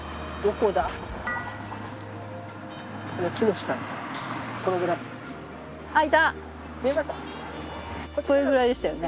これくらいでしたよね。